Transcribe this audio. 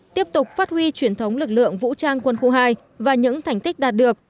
tiếp tục phát huy truyền thống lực lượng vũ trang quân khu hai và những thành tích đạt được